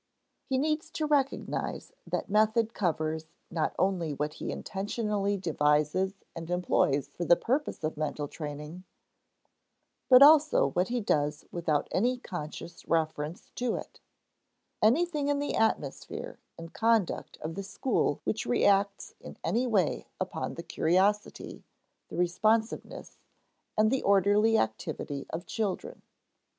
He needs to recognize that method covers not only what he intentionally devises and employs for the purpose of mental training, but also what he does without any conscious reference to it, anything in the atmosphere and conduct of the school which reacts in any way upon the curiosity, the responsiveness, and the orderly activity of children.